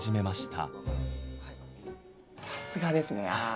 さすがですね。